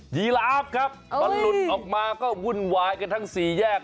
ีลาฟครับมันหลุดออกมาก็วุ่นวายกันทั้งสี่แยก